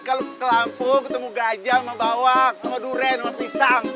kalau ke kelampung ketemu gajah sama bawang sama duren sama pisang